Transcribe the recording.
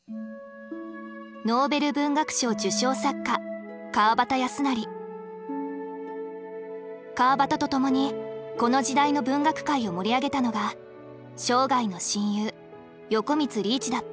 ノーベル文学賞受賞作家川端と共にこの時代の文学界を盛り上げたのが生涯の親友横光利一だった。